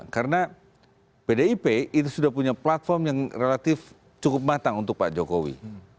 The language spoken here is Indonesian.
karena pdip itu sudah punya platform yang relatif cukup matang untuk pak jokowi